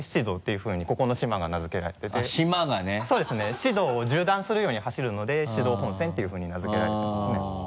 七道を縦断するように走るので「七道本線」っていうふうに名付けられてますね。